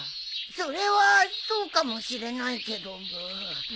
それはそうかもしれないけどブー。